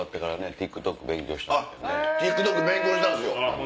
ＴｉｋＴｏｋ勉強したんすよ。